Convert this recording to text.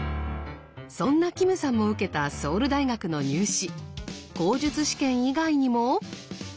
そんなキムさんも受けたソウル大学の入試口述試験以外にも。